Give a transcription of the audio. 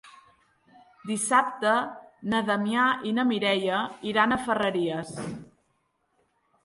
Dissabte na Damià i na Mireia iran a Ferreries.